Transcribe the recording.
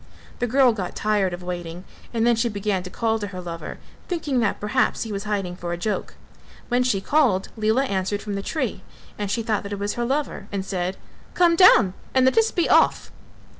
The girl got tired of waiting and then she began to call to her lover, thinking that perhaps he was hiding for a joke. When she called, Lela answered from the tree and she thought that it was her lover and said "Come down and let us be off."